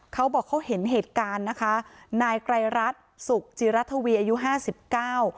เขาบอกเขาเห็นเหตุการณ์นะคะนายไกรรัฐสุขจิรัฐวีอายุห้าสิบเก้า